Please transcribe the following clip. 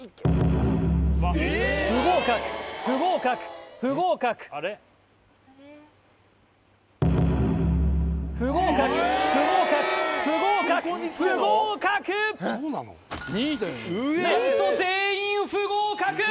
不合格不合格不合格不合格不合格不合格不合格何と全員不合格！